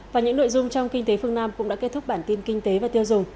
và những nội dung trong kinh tế phương nam cũng đã kết thúc bản tin kinh tế và tiêu dùng